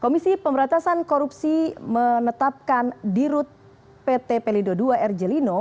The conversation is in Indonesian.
komisi pemerintahan korupsi menetapkan dirut pt pelindo ii r j lino